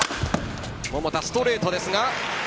桃田、ストレートですが。